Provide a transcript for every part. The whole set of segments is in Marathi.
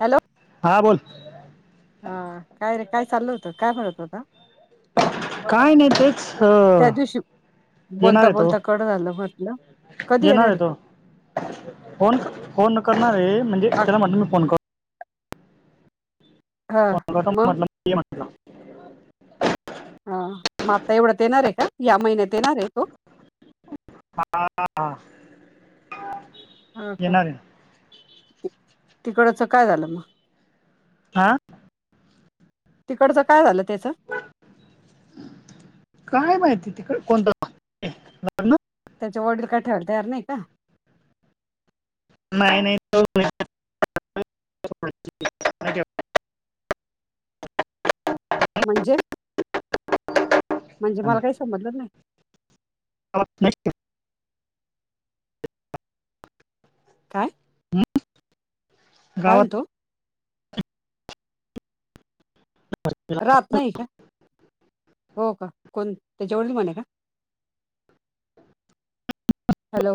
हॅलो हा बोल हा काय रे काय चाललं होत काय म्हणत होता काय नाही तेच त्या अं, दिवशी येणार बोलता आहे तो बोलता कड झालं होत कधी येणार आहे रे तो फोन फोन न करणारे म्हणजे त्याला म्हणत मी फोन कर हा म्हटलं मग म्हटलं ये म्हटलं इकडे हा मग आता एवढात येणार आहे का या महिन्यात येणार आहे तो हा हा हा का येणार आहे ती तिकडच काय झालं मग हा तिकडच काय झालं त्याचं काय माहिती तिकड कोणत लग्न लग्न त्याचे वडील काय ठेवायला तयार नाही का नाही नाही त [inaudible] म्हणजे म्हणजे मला काही समजलंच नाही ह न काय हं? काय गावात म्हणतो रात नाही का हो का कोण त्याचे वडील म्हने का हॅलो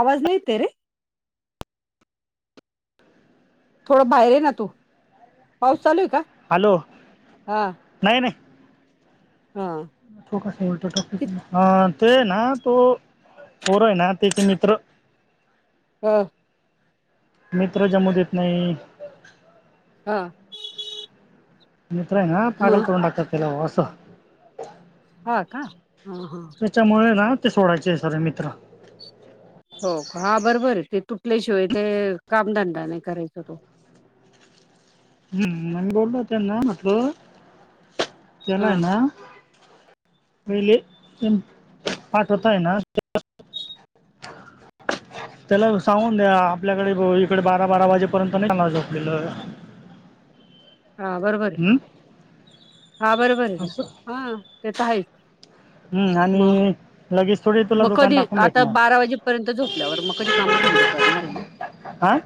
आवाज नाही येते रे थोडं बाहेर ये ना तू पाऊस चालू आहे का हॅलो हा नाही नाही हा लोहासनी वाटेल कित- ट्रॅफिक ते ना तो पोर येना ना त्याचे मित्र हा मित्र जमु देत नाही हा मित्र आहे ना मग पागल करून टाकतात त्याला असं हा का ह त्याच्यामुळे ना ते सोडायचे आहे सरे मित्र हो हा बरोबर ते तुटल्याशिवाय ते कामधंदा नाही करायच तो ज्ञानेश्वर हम्म म बोलतो त्यांना म्हटलं हा त्यालाय ना पहिले पाठवतय ना त्याला सांगून द्या आपल्याकडे इकडे बारा बारा वाजेपर्यंत नाही चला झोपलेलं रत्नागिरी हा बरोबर आहे हम्म हा बरोबर आहे ना असं हा ते तर आहेच हम्म मग आणि लगेच थोडी तुला मग दुकान कधी टाकून आता भेटणार बारा वाजेपर्यंत झोपल्यावर मग कधी काम धंदे करणार आहे ना आह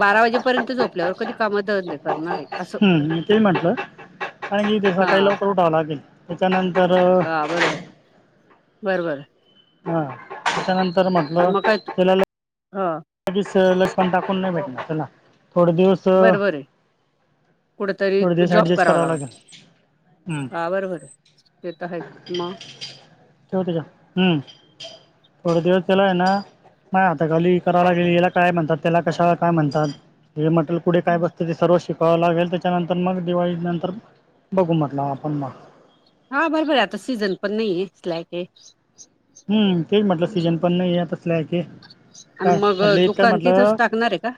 बारा वाजेपर्यंत झोपल्यावर कधी काम द करणार आहे असं हम् ते म्हटलं आणिी ते हा सकाळी लवकर उठावं लागेल त्याच्यानंतर हा बरोबर बरोबर हा त्याच्यानंतर आणि म्हटलं मग काय त्याुला ल ह वीस लस पण टाकून नाही भेटणार चला थोडे दिवस बरोबर आहे कुठेतरी थोडे दिवस जॉब ऍडजस्ट करावा करावं लागल लागेल हम्म हा बरोबर येत आहेत म तेव त्याच्या हम्म थोड दिवस केला आहे ना म आता खाली कराला लाे याला काय म्हणतात त्याला कशाला काय म्हणतात म्हटल कुे काय बतते ते सर्व शिक क लागेल त्याच्यानंतर मग दिवाळी नंतर बघू म्हटलं आपण मग हा बर बर आता सीझन पण नाहीये स्लॅक आहे हम्म तेच म्हटलं सीजन पण नाही तसल्या आहे क का आणि मग म्हटलं इतक दुकान तिथंच म्हटलं टाकणार आहे का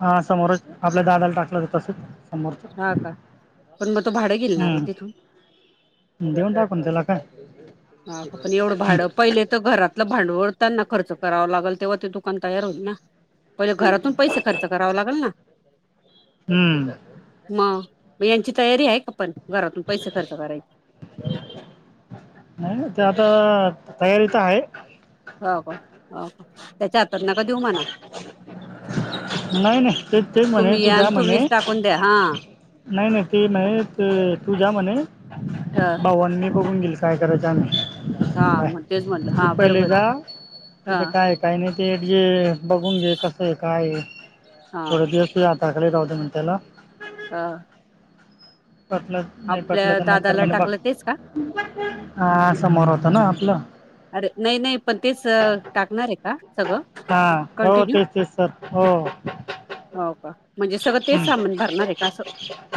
हा समोरच आपल्या दादाला टाकलं तर तसच समोरच हा का पण मग तो भाडं गिलणार आहे तिथून हम् देऊन टाकून त्याला काय ह पण एवढं भाड पहिले तर घरातलं भांडवळ त्यांना खर्च करावा लागेल तेव्हा ते दुकान तयार होईल ना पहिले घरातून पैसे खर्च करावा लागेल ना हम्म मग मग यांची तयारी आहे का पण घरातून पैसे खर्च करायचे नाही ते आता तयारी तर आहे हो का हो का त्याच्या हातात न का देऊ म्हणा नाही नाही तेच ते म्हणे तुम्ही या तुझा आणि तुम्हीच म्हणे टाकून द्या हा नाही नाही ते म्ह ते तू जा म्हणे हा बावन्नी बघून घेल काय करायच नाही हा, काय मग तेच म्हणलं तूप हा पहिले बरोबर आहे जा हा तिथं काय काय नाही ते जे बघून घे कसं आहे काय हा थोडे दिवस आतााखाली राहत मि त्याला हा पटलं नाही पटलं आपल्या तर नंतर दादाला मला बघ टाकलं तेच का हा समोर होत ना आपलं अरे नाही नाही पण तेच टाकणार आहे का सगळं हा हो कंटिन्यू तेच तेच सर हो हो का म्हणजे सगळं तेच हम् सामान भरणार आहे का असं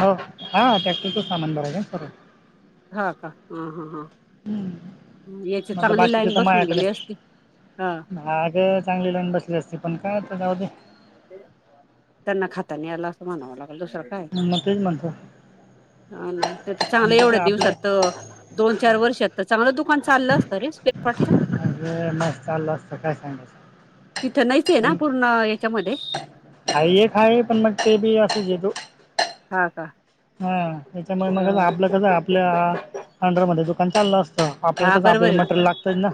हो हा टॅक्टरच सामान बरायचं सरव हा का हम हम हम हम्म म्हणलं बाकीच्या लाईन तर बसून माळ्याकडे गेली असती हा भाग चांगली लाईन बसली असते पण काय आता जाऊ त्यांना खातानी आला असं म्हणावं लागल दुसरं काय मग तेच म्हणतो हा ना ते तर चांगलं मग कसं एवढ्या आपले दिवसात तर दोन चार वर्षात तर चांगलं दुकान चाललं असतं रे पटतं अे म चाल असतं काय सांगायचं तिथं नाहीच आहे ना पूर्ण याच्यामध्ये खाये खाय पण मग ते बी असंच येतो हा का हा त्याच्यामुळे ह मग आपलं कसं आपल्या अंडरमध्येध्ये दुकान चाललं असत हा हा, आपल्याला कसं बरोबर आपल्याला आहे मटेरियल लागतंय ना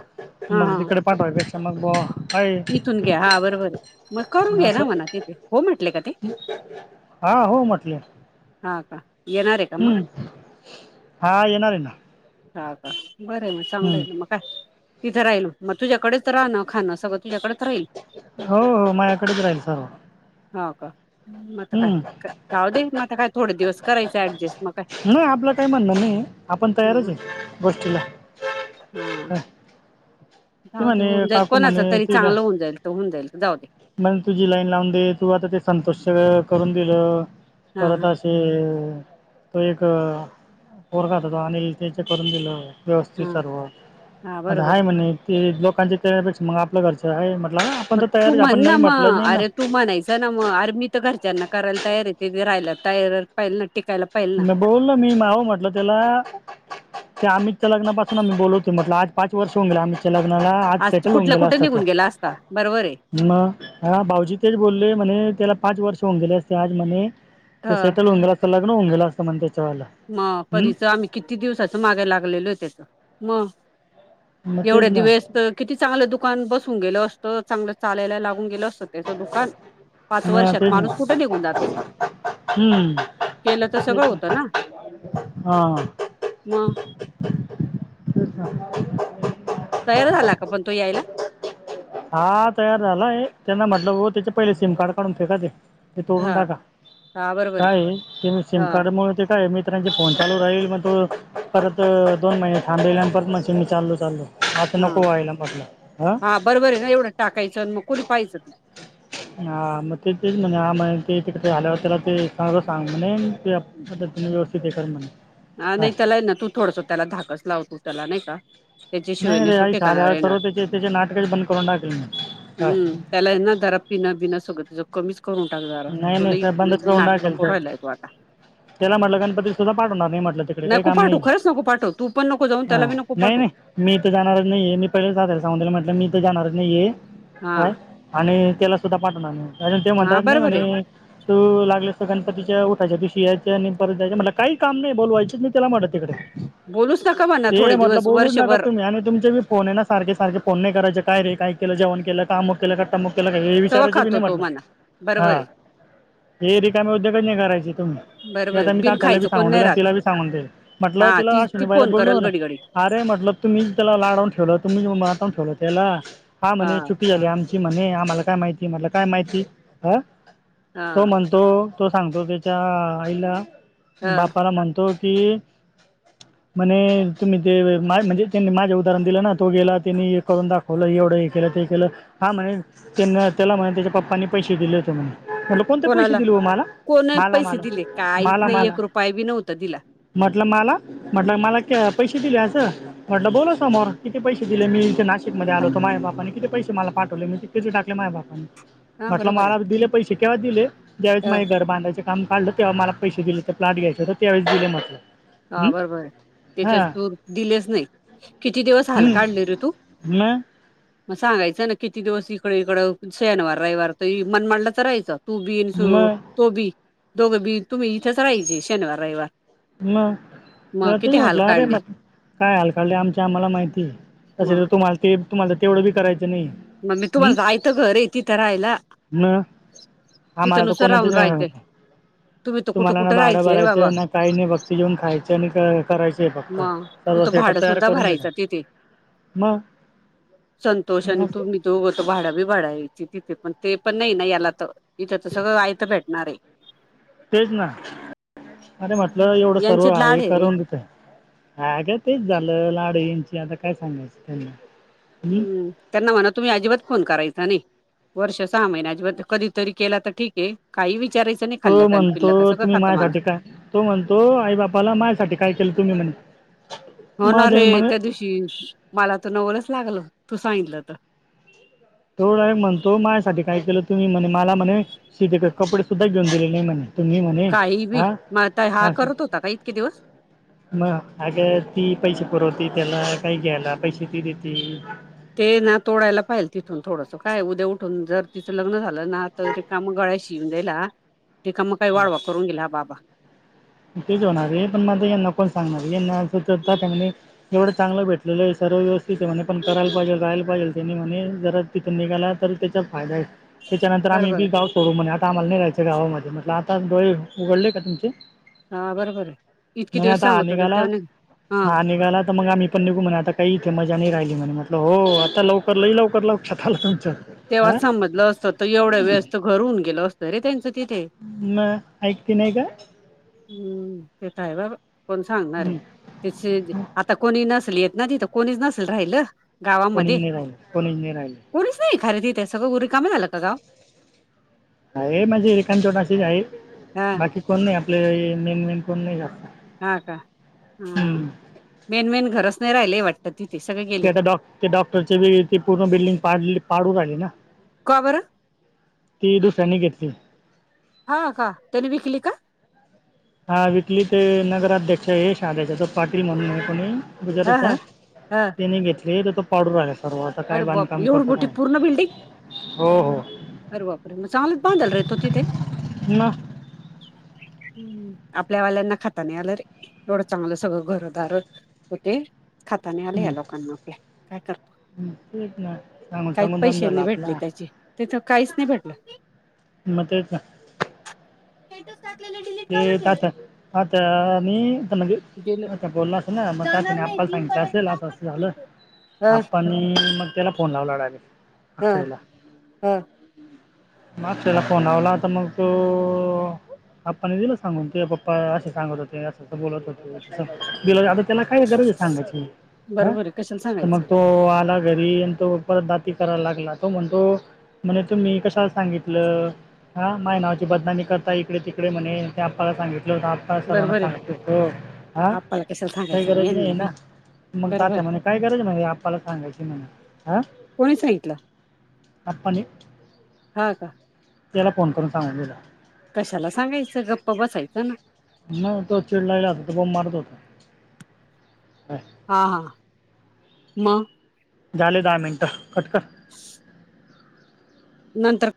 हा मग हा तिकडे पाठवायपेक्षा मग आहे इथून घ्या हा बरोबर आहे मग करून घ्या असं ना म्हणा तिथे हो म्हटले का ते हा हो म्हटले हा का येणार आहे का मग हम्म हा येणार आहे ना ह का बरे मग चांगलं आहे हम्म मग काय तिथे राहिल मग तुझ्याकडेच राहा ना खाणं सगळं तुझ्याकडेच राहील हो हो माझ्याकडेच राहील सर्व हो का मग तर काय हम्म जाऊ दे मता काय थोडे दिवस करायचं ॲडजस्ट नाही आपला टाइम अंद नाही आपण हा तयारच आहे गोष्टीला हा हम जाऊ दे होऊन जाईल कोणाचं तरी चांगलं होऊन जाईल होऊन जाईल जाऊ दे मण तुझी लाईन लावून दे तू आता ते संतोष करून दिलं हा परत हा असे तो एक पोर खात तो आणििल त्याचे करून दिलं व्यवस्थित हा सर्व हा आता बरोबर आहे म्हणे ते लोकांचीण्यापेक्षा मग आपलं घरचं आहे म आप मग तू तया ना म अरे तू म्हणायच ना म आर्मी तर कर ज्यांना करायला तयारी आहे ती राहायला तयार पाहिला न बोल ना मी माऊ म्हटलं त्याला ते आमितच्याग्नासून आ्ही बोलवो म्हटलं आज पाच वर्ष होऊ गे आमितच्याग्न कुणाला आज तू सेटल होऊन कुठल्या गेला कुठे असत निघून तो गेला असता बरोबर आहे म हा भाऊजी तेच बोलले म्हणे त्याला पाच वर्ष होऊ गेले असते आज म्हणे तर सेटल होऊ गेल अस लग्न होऊ गेलं असतं म्ह मग परीच आम्ही किती दिवसाच मागे लागलेलो हो त्याच मग मग एवढ्या तेच ना दिवस तर किती चांगलं दुकान बसून गेलं असतं चांगलं चालायला लागून गेल असत त्याच दुकान पाच हा वर्षात तेच ना माणूस कुठे निघून जातो हम्म केलं तर सगळं होतं ना मग हा तयार झाला का पण तो यायला हा तयार झालाय त्यांना म्हटलं हो त्याचे पहिले सिम कार्ड काढून फेका ते ते तोडून हा टाका हा बरोबर आहे काय ते सिम हा कार्डमुळे ते काय मी त त्यांचे फोन चालू राहील मग तू परत दोन महिने थांबलेल्यानंत परत मग म ल चालो आता नको व्हायला म्हटलं हं रे ना एवढं टाकायचं मग कोणी पाहायचं ते हा मग ते तेच म्हणे हा म्ह ते तिकडे झाल्यावर त्याला ते सांग सांग म्हणे ते आप व्यवस्थित दे कर म्हणे ह काय नाही त्याला ना तू थोडस त्याला धाकस लाव तू त्याला नाही का नाही त्याच्याशिवाय नाही तो र आ ठिकाणावर ले येणार सर्व त्याचे त्याचे नाटकच बंद करून टाकले म हम त्याला ना जरा पिं बिनं सगत नाही नाही सर बंदच करून नाटकं टाकेल करू तर राहिलाय तो आता त्याला म्हटलं गणपती सुद्धा पाठ होणार नाही म्हटलं तिकडे काही नको काम पाठवू नाही खरंच नको पाठवू तू पण नको जाऊन त्याला हा बी नको नाही पाठवू नाही मी इथ जाणार नाहीये मी पहिले साधला सांगला म्हटलं मी जाणार नाही हा का आणि त्याला सुद्धा पाठवणार अून ते हा म्हणतात नाही बरोबर आहे म्हणे तू लागले तिच्या उठायच्या दिवशी यायच्या आणि परत जायचे म्हटलं काही काम नाही बोलवायचेच मी त्याला म्हणत तिकडे बोलूच ना ते म्हटलं बोलूच नका तुम्ही आणि तुमचे फोन आहे ना सारखे सारखे फोन नाही करायचे काय रे काय केलं जेण केलं कामक केलं का टमक केलं काय हे सगळं विचाराच बी खातो नाही तो म्हटलं म्हणा हा बरोबर आहे हे रिकाम उद्योगच नाही करायचे तुम्हाला ते बरोबर आता मी बिन तात्याला बी खायचं कोण सांगून नाही देले आणि राहत तिला बी सांगून देई म्हटलं हा तिला ती अश ती पाहिला फोन करल बोलून घडी घडी अरे म्हट मल तुम्ही त्याला लाडवून ठेवलं तु्ही मातवून ठेव त्याला हा म्हणे चुटी झाली आमची म्हणे आम्हाला काय माहिती मला काय माहिती ह हा तो म्हणतो तो सांगतो त्याच्या आईला हा बापाला म्हणतो ते म्हणे तुम्ही ते मा म्हणजे त्यांनी माझे उदाहरण दिलं ना तो गेला त्यांनी करून दाखवलं ते हे केलं ते केलं हा म्हणे त्यां त्याला म्हणे त्याच्या पप्पानी पैसे दिले होते म्हणे म्हटलं कोणते पैसे कोणाला दिले हो मला कोण मला पैसे दिले मला काहीच मला नाही मला एक रुपया बी नव्हता दिला म्हटलं मला म्हटलं मला पैसे दिले असं म्हटलं बोला समोर किती पैसे दिले मी इथे नाशिकमध्ये खाली आलोतो माझ बापानी किती पैसे मला पाठवले मी तिथच टाकले माझ बापाने हा म्हटलं बरोबर आहे मला दिले पैसे केव्हा दिले ज्यावेळेस हा, माझे घर बांधायचे काम काढलं तेव्हा मला पैसे दिले तर प्लॅट घ्यायचे हो त्यावेळे दिले म्हटलं हा हं बरबर त्याच्यात हां तू दिलेच नाही किती दिवस हाल काढले रे तू ना मग सांगायचं ना किती दिवस इकडे इकड शनिवार रविवार तर मन मांडलं तर रायचं तू बीन मग तो बी दोघं बी तुम्ही इथेच राहायचे शनिवार रविवार म मग किती हाल म्हटलं अरे म काढले काय हालकालले आमच्या आम्हाला माहिती त तर मग तुम्हाला ते तुमला तेवढ ब करायं मग मी तुम्हाला जायचं घर आहे तिथं राहायला मग आम्हाला तिथं तर नुसतं कोणाचे राहून राहायचं तुम्ही तर कुठं तुम्हाला ना कुठं भाडं राहायचे रे बाबा भरायचं ना. काही नाही बघती जेऊन खायच आणि करायच. ते फक्त मग तू सर्व तर भाडं सेटअप तयार सुद्धा करून देत भरायचा तिथे मग संतोष आणि मग तुम्ही जोग तो भाडा बी भाडा येल तिथे पण ते पण नाही ना याला तर इथ तर सगळं आयथ भेटणार आहे. तेच ना अरे म्हटलं एवढं सर्व यांचे आहे लाड रे करून तथ हा का तेच झालं लाडू यांंची आता काय सांगायचं त्यांना हं? हम् त्यांना म्हणा तुम्ही अजिबात फोन करायचां नाही. वर्ष सहा महिन्या कधीतरी केला तर ठीक आहे काही विचार तो म्हणतो तुम्ही माझ्यासाठी काय तो म्हणतो आई बापाला माझ्यासाठी काय केलं तुम्ही म्हण. हो ना रे त्या दिवशी मला तर नवलच लागल तू सांगितलं तर तो डायरेक्ट म्हणतो माझ्यासाठी काय केलं. तुम्ही म्हणे मला म्हणे शिधे कपडे सुद्धा घेऊन दिले नाही म्हणे. तुम्ही म्हणे काही बी हा म आता हा असं करत होता का इतके दिवस मग अग ती पैसे पुरवती त्यांना काही घ्या ना पैसे ती देतती ते ना तोडयला पाहिल तिथून थोडंस काय उद्या उठून जर तिचं लग्न झालं. झालं ना तर त मग गळ्या शिऊून दला तिक मग काही वाळवा करून गेला बाबा तेच होणार आहे पण मता यांना कोण सांगणार यांना अस तर त्या त्या एवढं चांगलं भेटलेलं आहे. सर्व व्यवस्थित आहे म्हणे पण करायला पाहिजे राहायला पाहिजेलनी म्हणे जरा तिथून निघाला तर त्याचा फायदा आहे. त्याच्यानंतर आम्ही बरोबर बी आहे गाव सोडू म्हण. आमाला नाही राहायचे गावामध्ये म्हटलं आता डोळे उघडले का तुमचे हा बरोबर आहे इतके म्हणे दिवस आता हा सांगत हो निघाला ते्हा हा निघाला तर मग आम्ही पण निघून आता काही इथे मजा नाही राहिली. म्ह म्हटलं हो आता लवकर लई लवकर लवछतला तेव्हा समजलं असतं तर एवढ्या वेळेस तर घरून गेल असतं रे त्यांचं. तिथे म ऐकती नाही का? हम्म् ते तर आहे बाबा कोण सांगणारे तिची आता कोणी नस. येत नाय तिथ कोणीच नसल राहिल. कोणी नाही राहिल कोणी नाही राहिल. कोणीच नाही खारे तिथ ते सगळ रिकाम झाल का गाव आहे म्हणजे एखादे दोन अशे आहे हा बाकी कोण नाही आपले नेम नेम कोण नाही जा. हा का हम् मेन मेन घरच नाही राहिलय वाटत तिथ. ते आता डॉ ते डॉक्टरची ते पूर्ण बिल्डिंग पाडली पाडू राहिले ना. का बरं ती दुसऱ्यांनी घेतली. हा का त्याने विकली का हा विकली ते नगराध्यक्ष हे शहाध्यक्ष पाटील म्हणूनये कोणी बुजर का हा हा त्याचया हा त्याने घेतली त्याचा पावडर रागायच. अरे बापरे एवढी मोठी पूर्ण बिल्डिंग हो हो अरे बापरे मग चांगलच बांधला र तो तिथे. ना [unintelligible] हम् आपल्या वाल्यांना खाता नाय आल रे एवढ चांगल सगळ घरदार होते. खाता नाय आल या हम्म. लोकांना आपल्या काय करतो? हम्म, तेच ना सांगून काहीच सांगून दम पैसे झाला नाही भेटले आपला त्याची तिथ काहीच नाही भेटल मग तच ना. ते ते तात्या तात्या निआता आण. नाही म्हणजे गेलं कवा तक्ष बोलला अस ना मग तात्याने आप्पाला सांगितल असे अस अस झाल. ह आप्पांनी मग त्याला फोन लावला डायरेक हो हो. मग तुला फोनवला तर मग तो आपप्पाने दिल सांगून तूझे पप्पा असे सांगत होते अस अस बोलत होते. बर मग आता त्याला काय गरज आहे सांगायची? आं? बरोबर आहे कशाला तर मग सांगायचं तो आला घरी येऊन तो परत दाती करायला लागला. तो म्हणतो म्हणे तुम्ही कशाला सांगितल हा माय नावाची बदनामी करता इकड तिकडे म्हणे ते आप्पाला सांगित- आप्पा सर्वांना बरोबर आहे सांगत फिरतो. आं आपल्याला कशाला काही सांगायचं आणि गरज नाही आहे यांनी बी ना मग बरोबर तात्या आहे म्हणे काय गरज ये म्हणे, आप्पाला सांगायची म्हणे आं? ईथला आप्पांनी? हा का? त्याला फोन करून सांगून दिला कशाला सांगायच? गप्प बसायच ना. म तो चिडलेला होता. तो बोंब मारत होता. हा हा. म? झाले दहा मिनिट कट कर. नंतर